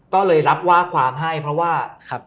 ก็เลยรับว่าความให้เพราะว่าครับ